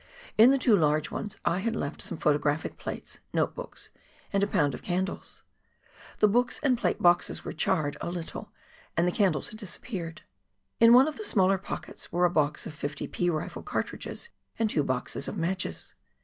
In the two large ones I had left some photographic plates, note books, and a pound of candles ; the books and plate boxes were charred a little, and the candles had disappeared. In one of the smaller pockets were a box of fifty pea rifle cartridges, and two boxes of matches.